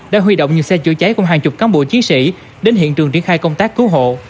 đã huy động những xe chữa cháy cùng hàng chục cán bộ chiến sĩ đến hiện trường triển khai công tác cứu hộ